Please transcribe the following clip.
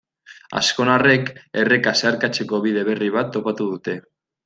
Azkonarrek erreka zeharkatzeko bide berri bat topatu dute.